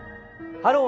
「ハロー！